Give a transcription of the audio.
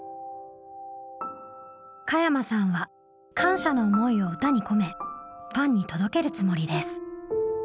加山さんは感謝の思いを歌に込めファンに届けるつもりです。